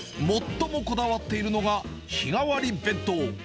最もこだわっているのが、日替わり弁当。